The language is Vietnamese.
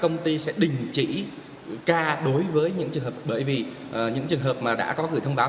công ty sẽ đình chỉ ca đối với những trường hợp bởi vì những trường hợp mà đã có gửi thông báo